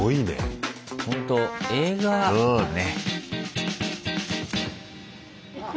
ほんと映画だね。